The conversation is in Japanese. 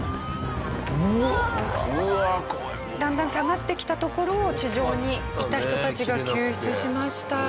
だんだん下がってきたところを地上にいた人たちが救出しました。